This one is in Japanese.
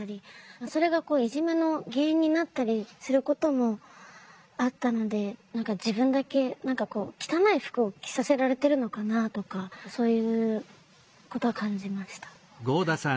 それがいじめの原因になったりすることもあったので何か自分だけ汚い服を着させられてるのかなとかそういうことは感じました。